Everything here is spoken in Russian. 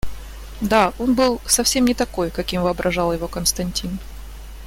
Да, он был совсем не такой, каким воображал его Константин.